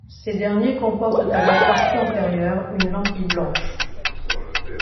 Ces derniers comportent à leur partie antérieure une lentille blanche.